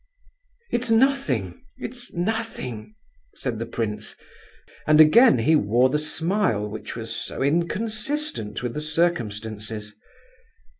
"It's nothing, it's nothing!" said the prince, and again he wore the smile which was so inconsistent with the circumstances.